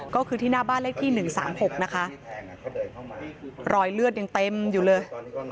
ก็คือที่หน้าบ้านเลขที่๑๓๖นะคะรอยเลือดยังเต็มอยู่เลย